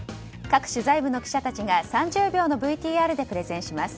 各取材部の記者たちが３０秒のＶＴＲでプレゼンします。